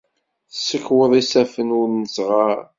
Tessekweḍ isaffen ur nettɣar.